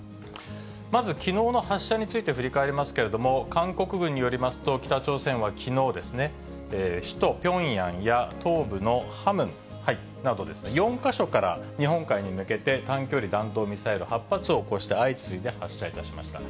まずきのうの発射について振り返りますけれども、韓国軍によりますと、北朝鮮はきのう、首都ピョンヤンや東部のハムンなど、４か所から日本海に向けて短距離弾道ミサイル８発をこうして相次いで発射いたしました。